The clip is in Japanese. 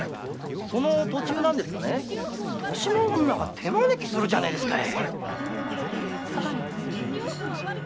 その途中で年増女が手招きするじゃねえですかい。